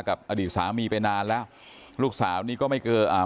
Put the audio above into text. กับอดีตสามีไปนานแล้วลูกสาวนี่ก็ไม่เจออ่า